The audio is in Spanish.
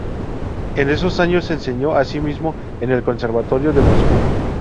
En esos años enseñó así mismo en el Conservatorio de Moscú.